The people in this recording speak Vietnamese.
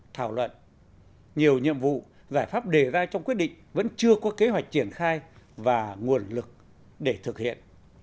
thảo luận nhiều nhiệm vụ giải pháp đề ra trong quyết định vẫn chưa có kế hoạch triển khai và nguồn lực để thực hiện